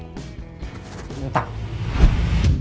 gak sia sia saya menugaskanmu